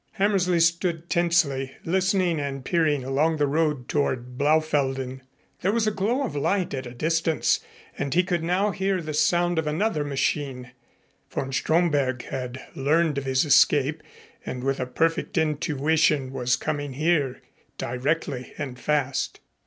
Hammersley stood tensely, listening and peering along the road toward Blaufelden. There was a glow of light at a distance and he could now hear the sound of another machine. Von Stromberg had learned of his escape and with a perfect intuition was coming here directly and fast.